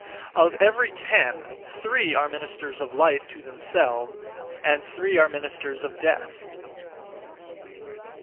Of every ten three are ministers of life (to themselves); and three are ministers of death.